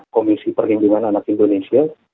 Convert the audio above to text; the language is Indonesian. komisi perlindungan anak indonesia